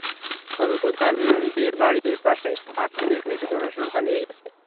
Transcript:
তবে কোদাল দিয়ে বাড়ির পাশের মাঠ কুপিয়ে নিয়মিত অনুশীলন চালিয়ে গেছে।